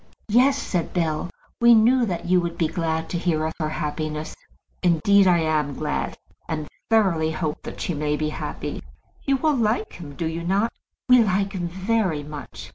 "Yes," said Bell; "we knew that you would be glad to hear of her happiness." "Indeed, I am glad; and thoroughly hope that she may be happy. You all like him, do you not?" "We like him very much."